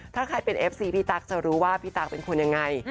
ถ้าใครเป็นเอฟซีพี่ตั๊กจะรู้ว่าพี่ตั๊กเป็นคนยังไง